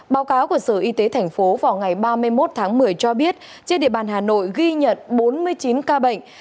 báo cáo của sở y tế thành phố vào ngày ba mươi một tháng một mươi cho biết trên địa bàn hà nội ghi nhận bốn mươi chín ca bệnh